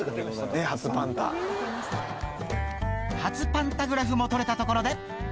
初パンタグラフも撮れたとこ